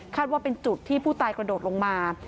ว่าเป็นจุดที่ผู้ตายกระโดดลงมา